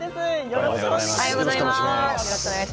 よろしくお願いします。